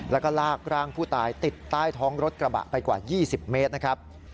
แล้วก็ลากร่างผู้ตายติดใต้ท้องรถกระบะไปกว่า๒๐เมตรนะครับ